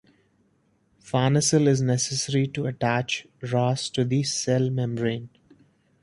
Farnesyl is necessary to attach Ras to the cell membrane.